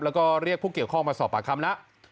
แล้วก็เรียกผู้เกี่ยวข้องมาสอบปากคำแล้ว